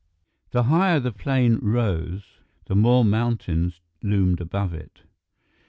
The higher the plane rose, the more the mountains loomed above it.